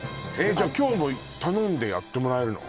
今日も頼んでやってもらえるの？